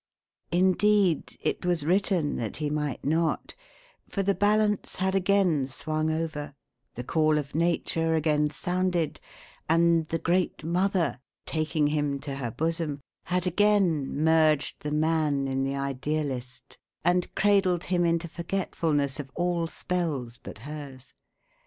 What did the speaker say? Indeed, it was written that he might not, for the balance had again swung over, the call of Nature again sounded, and the Great Mother, taking him to her bosom, had again merged the Man in the Idealist and cradled him into forgetfulness of all spells but hers.